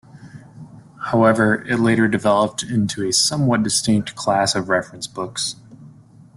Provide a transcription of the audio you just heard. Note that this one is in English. However, it later developed into a somewhat distinct class of reference books.